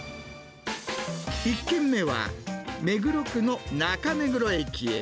１軒目は、目黒区の中目黒駅へ。